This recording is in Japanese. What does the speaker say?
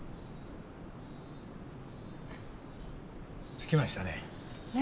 着きましたね。